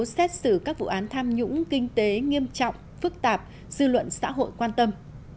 xét xử các vụ án tham nhũng kinh tế nghiêm trọng phức tạp dư luận xã hội quan tâm